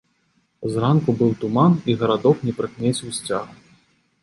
Зранку быў туман, і гарадок не прыкмеціў сцяга.